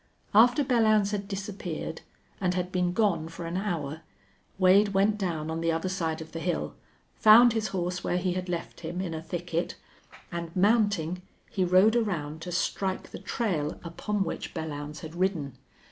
After Belllounds had disappeared and had been gone for an hour, Wade went down on the other side of the hill, found his horse where he had left him, in a thicket, and, mounting, he rode around to strike the trail upon which Belllounds had ridden.